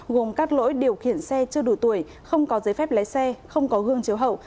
gồm các lỗi điều khiển xe chưa đủ tuổi không có giấy phép lái xe không có gương chiếu hậu